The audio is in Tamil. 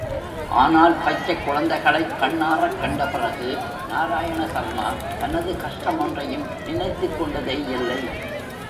ஆனால், பச்சைக்குழந்தைகளைக் கண்ணாறக்கண்ட பிறகு, நாராயண சர்மா தனது கஷ்டமொன்றையும் நினைத்துக் கொண்டதேயில்லை.